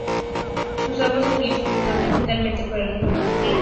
Sus aguas se utilizan fundamentalmente para el riego de cultivos.